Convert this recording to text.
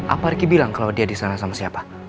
apa ricky bilang kalau dia di sana sama siapa